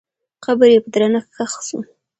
قبر یې په درنښت ښخ سو.